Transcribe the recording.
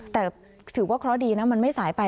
แต่ถือว่าเคราะห์ดีนะมันไม่สายไป